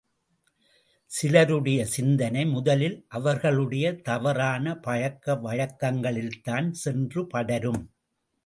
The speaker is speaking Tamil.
சிலருடைய சிந்தனை முதலில் அவர்களுடைய தவறான பழக்க வழக்கங்களில்தான் சென்று படரும்.